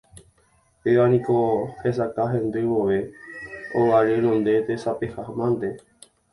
Péva niko hesakã hendy vove óga renonde tesapehámante.